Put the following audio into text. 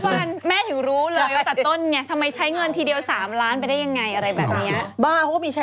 คุณหมอโดนกระช่าคุณหมอโดนกระช่า